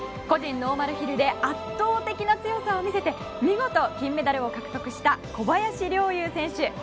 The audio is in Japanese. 個人ノーマルヒルで圧倒的な強さを見せて見事、金メダルを獲得した小林陵侑選手。